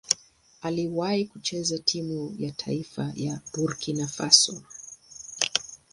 Aliwahi kucheza timu ya taifa ya Burkina Faso.